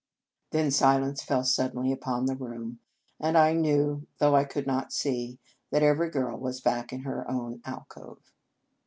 Then silence fell suddenly upon the room, and I knew, though I could not see, that every girl was back in her own alcove.